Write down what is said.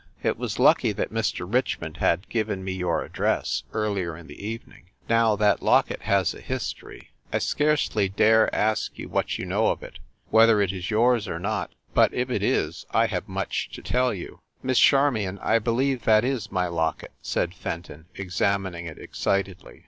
It was lucky that Mr. Richmond had given me your address, earlier in the evening. Now, that locket has a history. I scarcely dare ask you what you know of it, whether it is yours or not but if it is, I have much to tell you. 1 "Miss Charmion, I believe that is my locket," said Fenton, examining it excitedly.